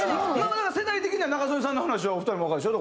世代的には仲宗根さんの話はお二人わかるでしょ？